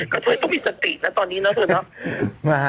เธอต้องมีสตินะตอนนี้เนาะเธอเนาะ